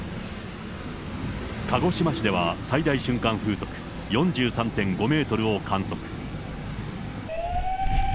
鹿児島市では最大瞬間風速４３．５メートルを観測。